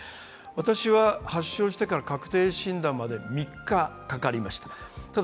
私は発症してから確定診断まで３日かかりました。